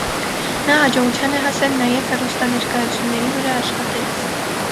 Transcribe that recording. Նա հաջողության է հասել նաև հեռուստաներկայացումների վրա աշխատելիս։